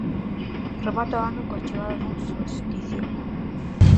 Remata o ano coa chegada dun solsticio.